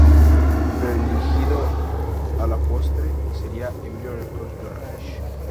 Pero el elegido, a la postre, sería Emilio Alarcos Llorach.